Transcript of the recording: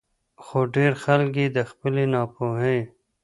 خو ډېر خلک ئې د خپلې نا پوهۍ